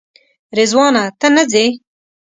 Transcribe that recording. رضوانه ته نه ځې؟